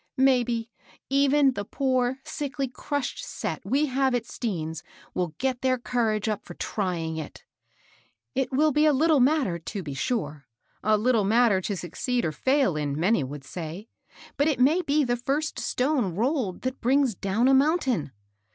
" Maybe, even the poor, ackly, crushed set we have at Stean's will get their courage up to trying for it. It will be a little matter, to be sure, — a little matter to suc ceed or fail in, many would say ; but it may be the first stone rolled that brings down a mountain.